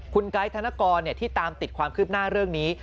คุณไกด์ธนกรที่ตามติดความคืบหน้าเรื่องนี้